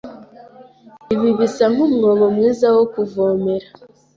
Ibi bisa nkumwobo mwiza wo kuvomera.